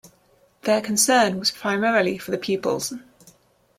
Their concern was primarily for the pupils.